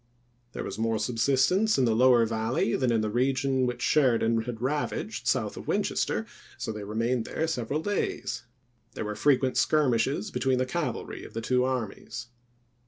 There was more subsistence in the lower Valley than in the region which Sheridan had ravaged south of Win chester; so they remained there several days; there were frequent skirmishes between the cav alry of the two armies.